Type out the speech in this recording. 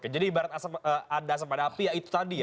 jadi ibarat ada asam pada api ya itu tadi ya